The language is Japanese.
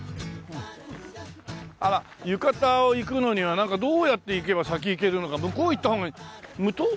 あら浴衣行くのにはなんかどうやって行けば先行けるのか向こう行った方が。